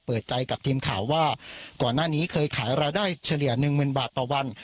เปิดใจกับทีมข่าวว่าก่อนหน้านี้เคยขายรายได้เฉลี่ยหนึ่งหมื่นบาทต่อวัน